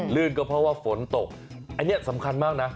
ลื่นก็เพราะว่าฝนตกอันนี้สำคัญมากนะ